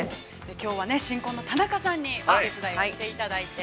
◆きょうは新婚の田中さんにお手伝いをしていただいて。